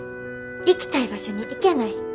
行きたい場所に行けない。